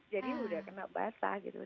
jadi udah kena basah gitu